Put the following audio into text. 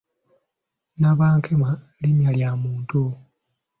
Nabankema linnya lya muntu.